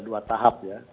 dua tahap ya kemudian